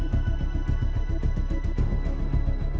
kemidian saya sekarang punya